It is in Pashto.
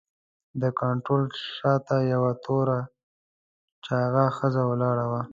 د کاونټر شاته یوه توره چاغه ښځه ولاړه وه.